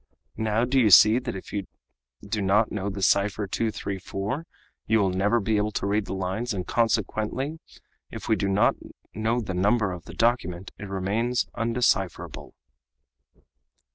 Now do you see that if you do not know the cipher 234 you will never be able to read the lines, and consequently if we do not know the number of the document it remains undecipherable."